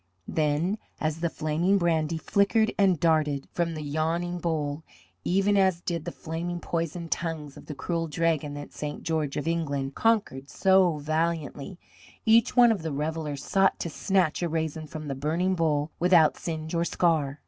Then, as the flaming brandy flickered and darted from the yawning bowl, even as did the flaming poison tongues of the cruel dragon that St. George of England conquered so valiantly, each one of the revellers sought to snatch a raisin from the burning bowl without singe or scar.